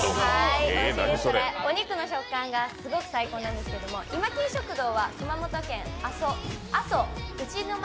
お肉の食感がすごく最高なんですけどもいまきん食堂は熊本県阿蘇内牧